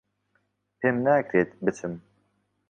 پێم ناکرێت بچم